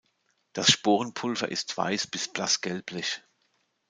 Das Sporenpulver ist weiß bis blass gelblich.